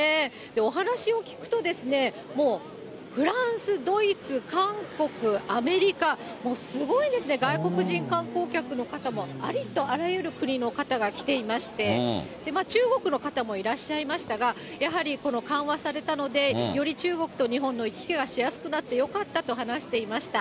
お話を聞くと、もうフランス、ドイツ、韓国、アメリカ、もうすごいんですね、外国人観光客の方も、ありとあらゆる方が来ていまして、中国の方もいらっしゃいましたが、やはり緩和されたので、より中国と日本の行き来がしやすくなってよかったと話していました。